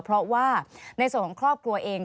เพราะว่าในส่วนของครอบครัวเอง